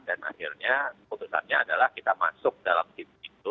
dan akhirnya keputusannya adalah kita masuk dalam tim itu